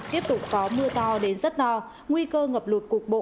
tiếp tục có mưa to đến rất no nguy cơ ngập lụt cục bộ